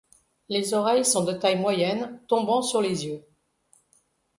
Les oreilles sont de taille moyenne, tombant sur les yeux.